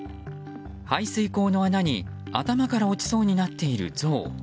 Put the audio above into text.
排水溝の穴に頭から落ちそうになっているゾウ。